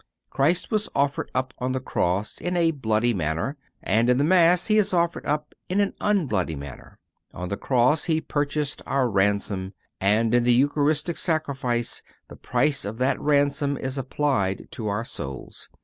Christ was offered up on the cross in a bloody manner, and in the Mass He is offered up in an unbloody manner. On the cross He purchased our ransom, and in the Eucharistic Sacrifice the price of that ransom is applied to our souls.